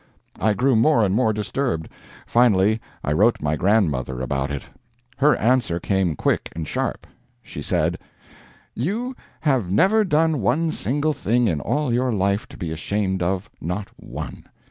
I grew more and more disturbed. Finally I wrote my grandmother about it. Her answer came quick and sharp. She said: You have never done one single thing in all your life to be ashamed of not one.